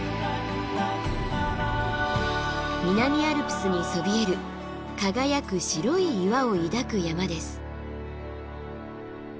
南アルプスにそびえる輝く白い岩を抱く山です。